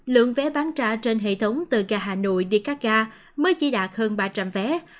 lượng vé bán ra trên hệ thống từ ga hà nội đi các ga mới chỉ đạt hơn ba trăm linh vé